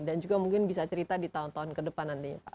dan juga mungkin bisa cerita di tahun tahun ke depan nantinya pak